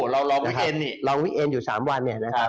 เราลองวิเอนอยู่๓วันนะครับ